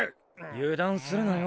油断するなよ。